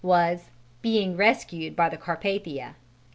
was "being rescued by the Carpathia."